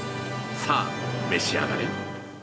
さあ、召し上がれ！！